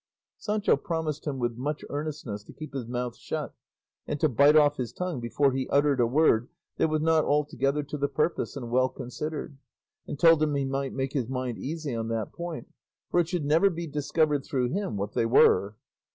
Sancho promised him with much earnestness to keep his mouth shut, and to bite off his tongue before he uttered a word that was not altogether to the purpose and well considered, and told him he might make his mind easy on that point, for it should never be discovered through him what they were.